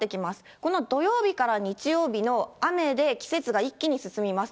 この土曜日から日曜日の雨で季節が一気に進みます。